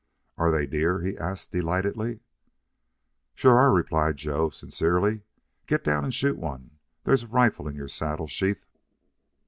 "Are they deer?" he asked, delightedly. "Sure are," replied Joe, sincerely. "Get down and shoot one. There's a rifle in your saddle sheath."